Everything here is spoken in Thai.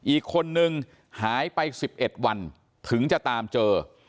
อีกคนนึงหายไป๑๑วันถึงจะตามเจอ